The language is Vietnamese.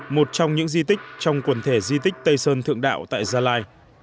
một trong những di tích trong quần thể di tích tây sơn thượng đạo tại gia lai